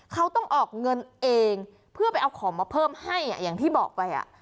เขาต้องออกเงินเองเพื่อไปเอาของมาเพิ่มให้อย่างที่บอกไป